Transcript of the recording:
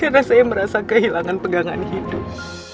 karena saya merasa kehilangan pegangan hidup